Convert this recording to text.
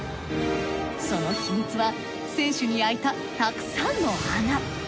その秘密は船首に開いたたくさんの穴。